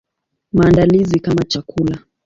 Maandalizi kama chakula.